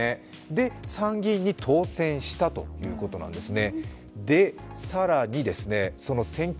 で、参議院に当選したということなんですね。